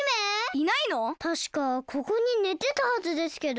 たしかここにねてたはずですけど。